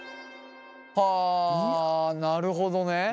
はあなるほどね。